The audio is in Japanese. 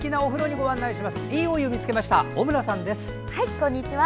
こんにちは。